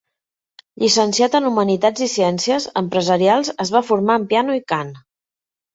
Llicenciat en Humanitats i Ciències Empresarials es va formar en piano i cant.